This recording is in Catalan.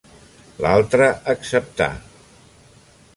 L'altre acceptà.